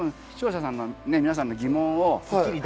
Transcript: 視聴者の皆さんの疑問を。